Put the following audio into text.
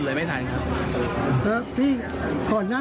จึงไม่ได้เอดในแม่น้ำ